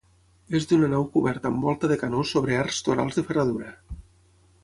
És d'una nau coberta amb volta de canó sobre arcs torals de ferradura.